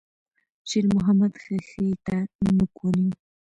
شېرمحمد ښيښې ته نوک ونيو.